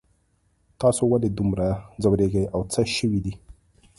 تاسو ولې دومره ځوریږئ او څه شوي دي